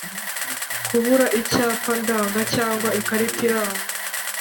Kubura icyapa ndanga cyangwa ikarita iranga